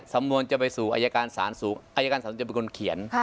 สำนวนจะไปสู่อายการศาลสู่อายการศาลจะเป็นคนเขียน